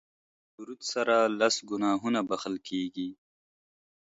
په درود سره لس ګناهونه بښل کیږي